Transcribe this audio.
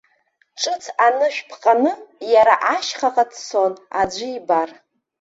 Ҿыц анышә ԥҟаны, иара ашьхаҟа дцон, аӡәы ибар.